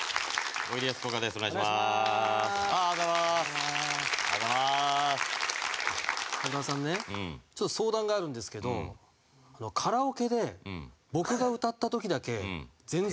小田さんねちょっと相談があるんですけどカラオケで僕が歌った時だけ全然盛り上がらない時があって。